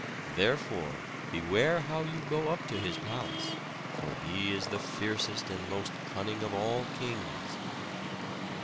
Therefore beware how you go up to his palace, for he is the fiercest and most cunning of all kings."